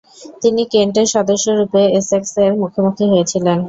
তিনি কেন্টের সদস্যরূপে এসেক্সের মুখোমুখি হয়েছিলেন।